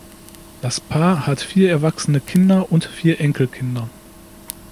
Das Paar hat vier erwachsene Kinder und vier Enkelkinder.